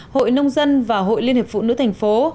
hội nông dân và hội liên hiệp phụ nữ thành phố